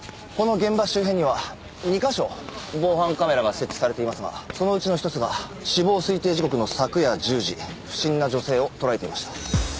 この現場周辺には２カ所防犯カメラが設置されていますがそのうちの一つが死亡推定時刻の昨夜１０時不審な女性を捉えていました。